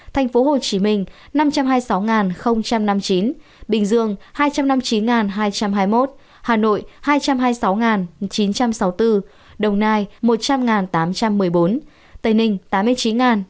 tp hcm năm trăm hai mươi sáu năm mươi chín bình dương hai trăm năm mươi chín hai trăm hai mươi một hà nội hai trăm hai mươi sáu chín trăm sáu mươi bốn đồng nai một trăm linh tám trăm một mươi bốn tây ninh tám mươi chín năm trăm bốn mươi chín